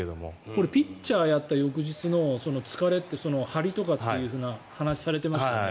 これピッチャーをやった翌日の疲れって張りとかという話をされてましたよね。